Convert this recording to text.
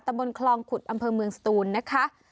บนคลองขุดอำเภอเมืองสตูนนะคะ